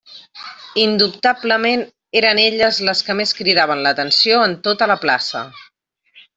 Indubtablement eren elles les que més cridaven l'atenció en tota la plaça.